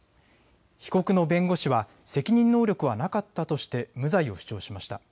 被告の弁護士は責任能力はなかったとして無罪を主張しました。